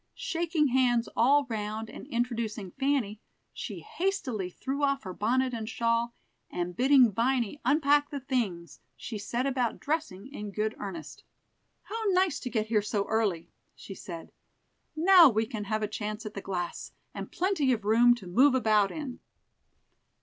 Shaking hands all round, and introducing Fanny, she hastily threw off her bonnet and shawl, and bidding Viny unpack the things, she set about dressing in good earnest. "How nice to get here so early," she said. "Now we can have a chance at the glass, and plenty of room to move about in."